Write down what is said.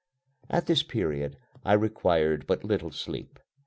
At this period I required but little sleep.